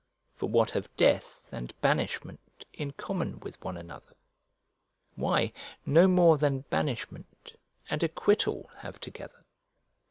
For what have death and banishment in common with one another? Why, no more than banishment and acquittal have together.